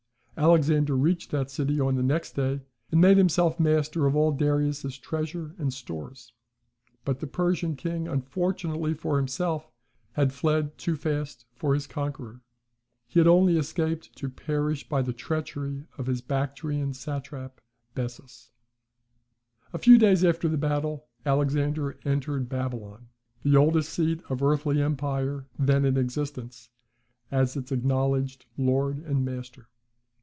Alexander reached that city on the next day, and made himself master of all Darius's treasure and stores; but the Persian king unfortunately for himself, had fled too fast for his conqueror: he had only escaped to perish by the treachery of his Bactrian satrap, Bessus. A few days after the battle Alexander entered Babylon, "the oldest seat of earthly empire" then in existence, as its acknowledged lord and master.